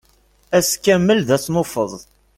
Ass kamel d asnuffeẓ.